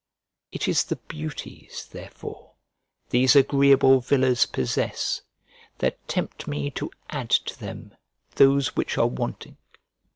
It is the beauties therefore these agreeable villas possess that tempt me to add to them those which are wanting.